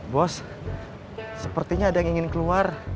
bos sepertinya ada yang ingin keluar